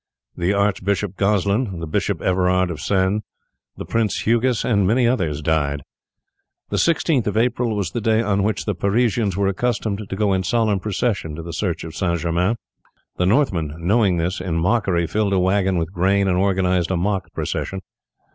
The Archbishop Goslin, the Bishop Everard of Sens, the Prince Hugues, and many others died. The 16th of April was the day on which the Parisians were accustomed to go in solemn procession to the church of St. Germain. The Northmen, knowing this, in mockery filled a wagon with grain and organized a mock procession.